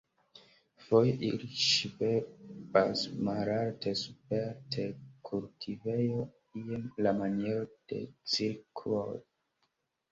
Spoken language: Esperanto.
Foje ili ŝvebas malalte super terkultivejoj je la maniero de cirkuoj.